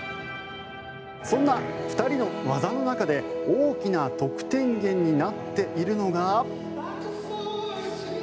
そんな２人の技の中で大きな得点源になっているのが。